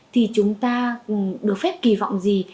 thì chúng ta được phép kỳ vọng gì